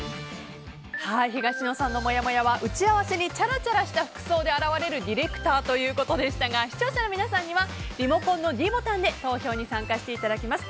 東野さんのもやもやは打ち合わせにチャラチャラした服装で現れるディレクターということでしたが視聴者の皆さんにはリモコンのｄボタンで投票に参加していただきます。